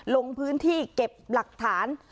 ลงพื้นที่เก็บหลักฐาน